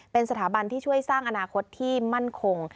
เป็นสถาบันที่ช่วยสร้างอนาคตที่มั่นคง